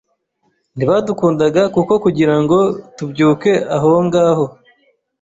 ntibadukundaga kuko kugirango tubyuke ahongaho